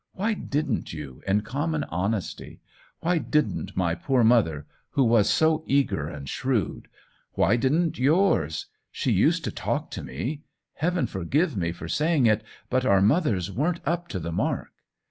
Why didn't you, in common honesty } Why didn't my poor mother, who was so eager and shrewd ? Why didn't yours ? She used to talk to me. Heaven forgive me for saying it, but our mothers weren't up to the mark